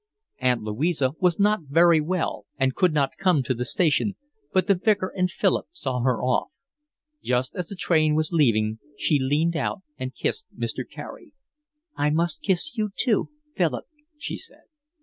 Aunt Louisa was not very well and could not come to the station, but the Vicar and Philip saw her off. Just as the train was leaving she leaned out and kissed Mr. Carey. "I must kiss you too, Philip," she said.